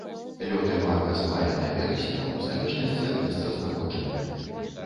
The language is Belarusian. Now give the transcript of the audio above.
Лёт імага з мая да верасня ў залежнасці ад месцазнаходжання.